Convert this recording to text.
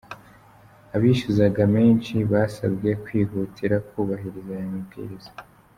Abishyuzaga menshi basabwe kwihutira kubahiriza aya mabwiriza.